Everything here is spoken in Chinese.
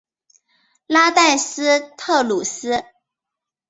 拉代斯特鲁斯。